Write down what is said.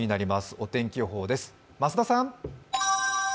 お天気予報です、増田さん。